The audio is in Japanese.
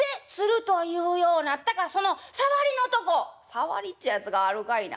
「『さわり』っちゅうやつがあるかいな。